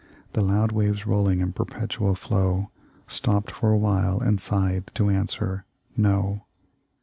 The loud waves rolling in perpetual flow Stopped for awhile and sighed to answer, No.